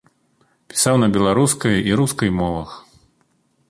Пісаў на беларускай і рускай мовах.